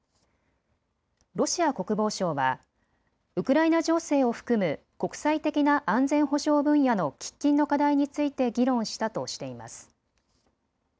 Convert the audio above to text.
ロシア国防省はウクライナ情勢を含む国際的な安全保障分野の喫緊の課題について議論したとしています。